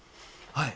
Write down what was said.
はい。